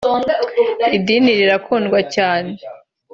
Idini rirakundwa cyane